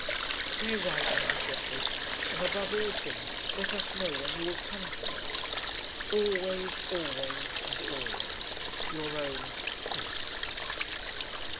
Pray write when you get this, and above all things let us know when you will come to us. Always, always, and always, Your own KATE.